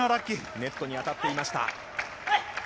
ネットに当たっていました。